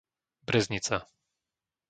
Breznica